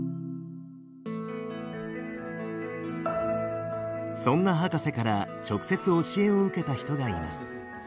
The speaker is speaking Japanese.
そんな博士から直接教えを受けた人がいます。